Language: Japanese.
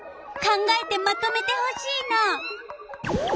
考えてまとめてほしいの。